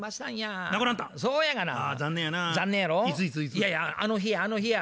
いやいやあの日あの日や。